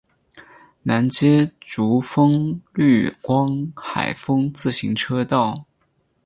南接竹风绿光海风自行车道。